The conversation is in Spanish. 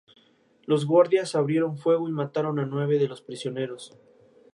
Los guardias abrieron fuego y mataron a nueve de los prisioneros.